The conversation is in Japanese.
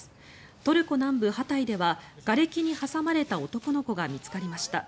トルコ南部ハタイではがれきに挟まれた男の子が見つかりました。